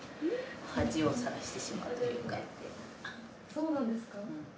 そうなんですか？